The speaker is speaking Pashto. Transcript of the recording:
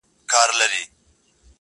هغه ولس چي د .